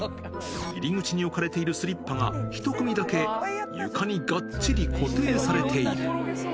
入り口に置かれているスリッパが、１組だけ床にがっちり固定されている。